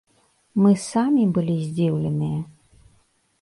Мы самі былі здзіўленыя!